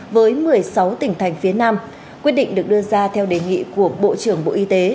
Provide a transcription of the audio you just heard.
với một mươi sáu tỉnh thành phía nam quyết định được đưa ra theo đề nghị của bộ trưởng bộ y tế